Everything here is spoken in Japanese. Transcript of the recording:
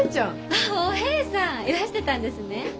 あっおえいさんいらしてたんですね！